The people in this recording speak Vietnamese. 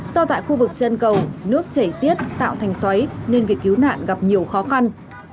do tại khu vực chân cầu nước chảy xiết tạo thành xoáy nên việc cứu nạn gặp nhiều khó khăn